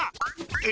え？